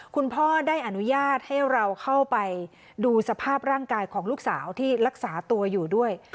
คุณพ่อได้อนุญาตให้เราเข้าไปดูสภาพร่างกายของลูกสาวที่รักษาตัวอยู่ด้วย